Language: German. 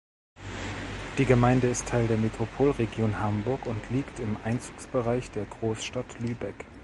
Die Gemeinde ist Teil der Metropolregion Hamburg und liegt im Einzugsbereich der Großstadt Lübeck.